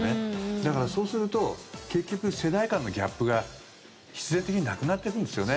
だから、そうすると結局、世代間のギャップが必然的になくなっていくんですよね。